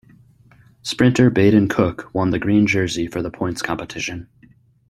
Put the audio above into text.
Sprinter Baden Cooke won the green jersey for the points competition.